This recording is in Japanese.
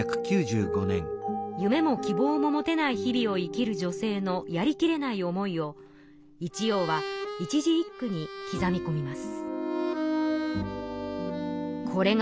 夢も希望も持てない日々を生きる女性のやりきれない思いを一葉は一字一句にきざみこみます。